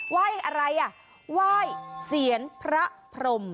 ไหว้อะไรอ่ะไหว้เสียนพระพรม